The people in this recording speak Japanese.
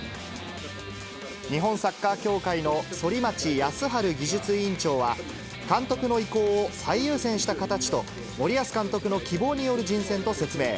日本サッカー協会の反町康治技術委員長は、監督の意向を最優先した形と、森保監督の希望による人選と説明。